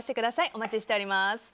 お待ちしております。